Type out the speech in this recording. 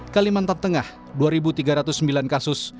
kalimantan tengah dua tiga ratus sembilan kasus